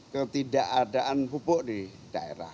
ketidakadaan pupuk di daerah